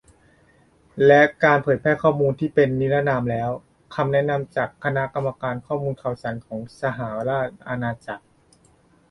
และการเผยแพร่ข้อมูลที่เป็นนิรนามแล้ว - คำแนะนำจากคณะกรรมการข้อมูลข่าวสารของสหราชอาณาจักร